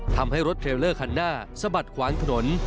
ทำให้รถเทรลเลอร์คันหน้าสะบัดขวางถนน